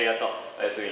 おやすみ！